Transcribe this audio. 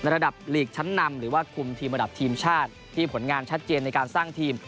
ระดับลีกชั้นนำหรือว่าคุมทีมระดับทีมชาติที่ผลงานชัดเจนในการสร้างทีม